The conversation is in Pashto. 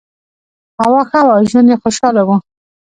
هوا ښه وه او ژوند یې خوشحاله و.